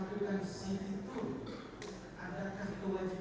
saya serta dengan keluarga